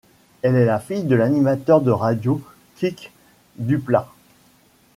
Elle est la fille de l'animateur de radio Quique Dupláa.